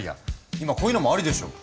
今こういうのもありでしょ。